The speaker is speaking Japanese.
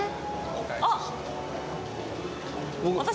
あっ！